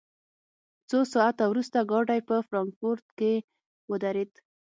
څو ساعته وروسته ګاډی په فرانکفورټ کې ودرېد